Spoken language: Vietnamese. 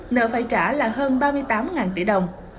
nợ phải trả là hơn ba mươi tám tỷ đồng